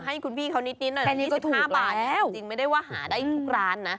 ให้คุณพี่เขานิดหน่อยตอนนี้๑๕บาทจริงไม่ได้ว่าหาได้ทุกร้านนะ